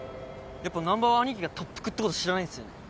やっぱ難破はアニキが特服ってこと知らないんですよね？